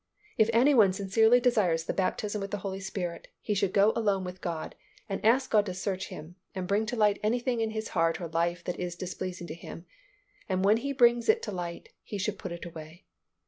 If any one sincerely desires the baptism with the Holy Spirit, he should go alone with God and ask God to search him and bring to light anything in his heart or life that is displeasing to Him, and when He brings it to light, he should put it away.